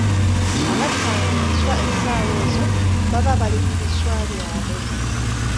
Abattanga enswa essaawa ezo baba bali ku biswa byabwe.